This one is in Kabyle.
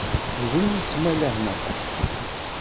D win yettmalahen aṭas.